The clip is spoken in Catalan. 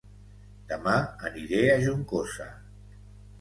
Dema aniré a Juncosa